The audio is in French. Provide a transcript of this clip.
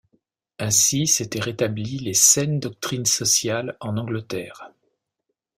Ainsi s’étaient rétablies les saines doctrines sociales en Angleterre.